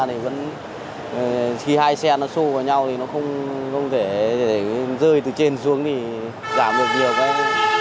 thì vẫn khi hai xe nó xô vào nhau thì nó không thể rơi từ trên xuống thì giảm được nhiều cái hại đấy